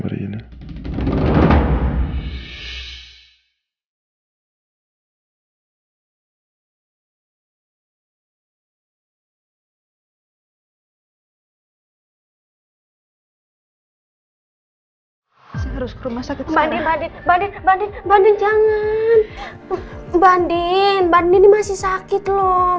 bandin bandin ini masih sakit loh